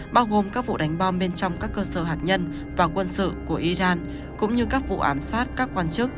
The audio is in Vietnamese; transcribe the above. bao gồm các vụ đánh bom bên trong các cơ sở hạt nhân và quân sự của iran cũng như các vụ ám sát các quan chức